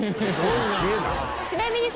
ちなみに。